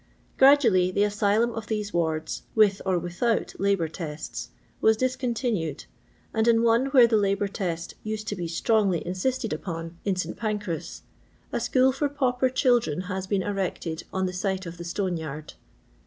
Oradoally, the asylum of these wards, with or withont labour tests, was discontinued, and in one where the labour test used to be strongly insisted upon — ^in St Fancras — a school for pauper children has been erected on the site of the stone yard.